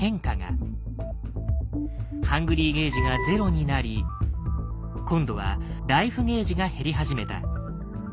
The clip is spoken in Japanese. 「ＨＵＮＧＲＹ」ゲージがゼロになり今度は「ＬＩＦＥ」ゲージが減り始めた。